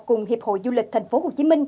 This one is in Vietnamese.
cùng hiệp hội du lịch tp hcm